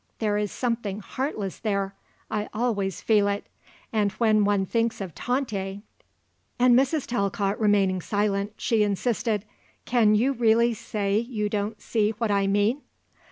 There is something heartless there. I always feel it. And when one thinks of Tante!" And Mrs. Talcott remaining silent, she insisted: "Can you really say you don't see what I mean?"